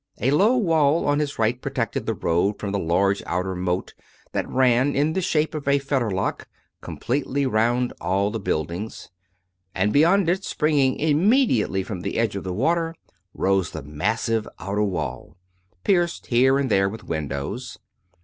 A low wall on his right protected the road from the huge outer moat that ran, in the shape of a fetterlock, completely round all the buildings; and beyond it, springing immediately from the edge of the water, rose the massive outer wall, pierced here and there with windows.